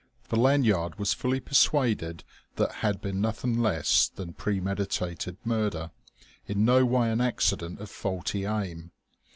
For Lanyard was fully persuaded that had been nothing less than premeditated murder, in no way an accident of faulty aim.